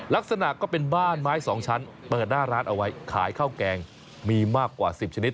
ลักษณะก็เป็นบ้านไม้สองชั้นเปิดหน้าร้านเอาไว้ขายข้าวแกงมีมากกว่า๑๐ชนิด